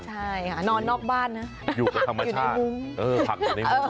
ใช่นอนนอกบ้านนะอยู่กับธรรมชาติอยู่ในวุ้ง